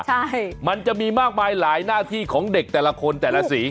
ใช่มันจะมีมากมายหลายหน้าที่ของเด็กแต่ละคนแต่ละสี